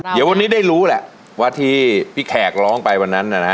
เดี๋ยววันนี้ได้รู้แหละว่าที่พี่แขกร้องไปวันนั้นนะฮะ